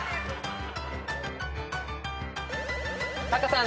タカさん